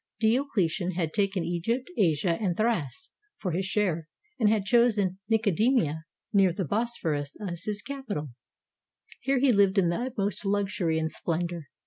Diocletian had taken Egypt, Asia, and Thrace for his share, and had chosen Nicomedia, near the Bosphorus, as his capital. Here he lived in the utmost luxury and splendor.